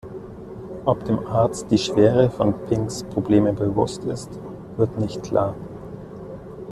Ob dem Arzt die Schwere von Pinks Problemen bewusst ist, wird nicht klar.